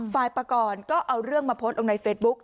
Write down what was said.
ฝ่ายประกอบก็เอาเรื่องมาโพสต์ลงในเฟซบุ๊ค